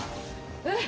うん。